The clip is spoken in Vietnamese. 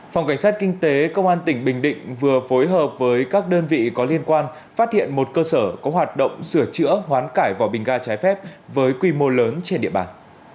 phòng cảnh sát kinh tế công an tỉnh bình định vừa phối hợp với các đơn vị có liên quan phát hiện một cơ sở có hoạt động sửa chữa hoán cải vỏ bình ga trái phép với quy mô lớn trên địa bàn